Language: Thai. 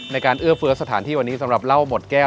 เอื้อเฟื้อสถานที่วันนี้สำหรับเหล้าหมดแก้ว